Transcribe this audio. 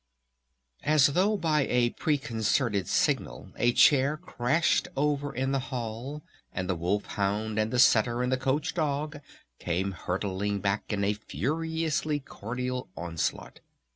As though by a preconcerted signal a chair crashed over in the hall and the wolf hound and the setter and the coach dog came hurtling back in a furiously cordial onslaught.